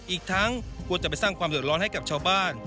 อีกทั้งกลัวจะไปสร้างความเดือดร้อนให้กับชาวบ้าน